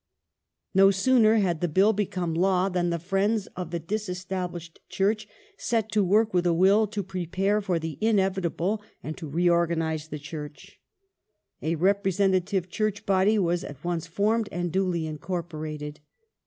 No sooner had the Bill become law than the friends of the dis Results of established Church set to work with a will to prepare for the inevit '^^*"^• r^i 1 "measure able, and to reorganize the Church. A representative Church Body was at once formed, and duly incorporated.